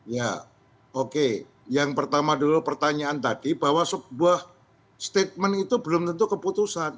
ya oke yang pertama dulu pertanyaan tadi bahwa sebuah statement itu belum tentu keputusan